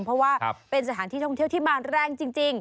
เพราะว่าเป็นสถานที่ท่องเที่ยวที่มาแรงจริง